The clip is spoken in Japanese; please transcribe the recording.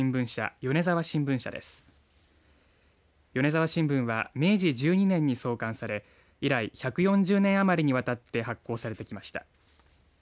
米澤新聞は明治１２年に創刊され以来１４０年余りにわたって発行されてきました。